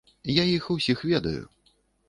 Я іх усіх ведаю.